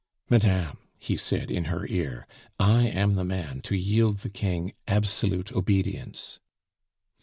"Madame," he said in her ear, "I am the man to yield the King absolute obedience."